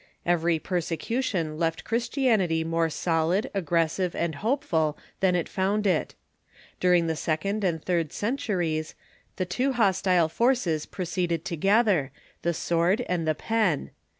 Every persecution left Christianity more solid, aggressive, and hopeful than it found it. During the second and third centuries the two hostile forces proceeded together — the sAvord and the pen.